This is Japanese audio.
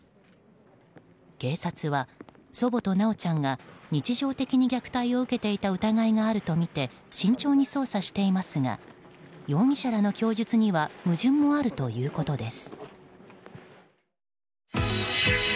警察は祖母と修ちゃんが日常的に虐待を受けていた疑いがあるとみて慎重に捜査していますが容疑者らの供述には矛盾もあるということです。